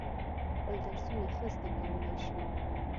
خپل درسونه ښه زده کولای شي.